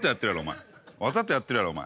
わざとやってるやろお前。